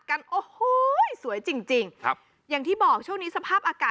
แก้ปัญหาผมร่วงล้านบาท